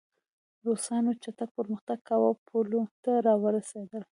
روسانو چټک پرمختګ کاوه او پولو ته راورسېدل